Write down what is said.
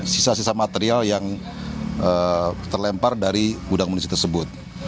sisa sisa material yang terlempar dari gudang munisi tersebut